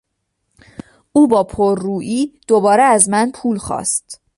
او با پررویی دوباره از من پول خواست.